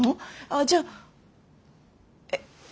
あっじゃあえっ？